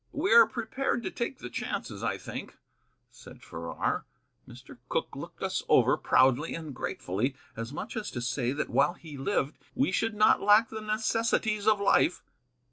"We are prepared to take the chances, I think," said Farrar. Mr. Cooke looked us over, proudly and gratefully, as much as to say that while he lived we should not lack the necessities of life.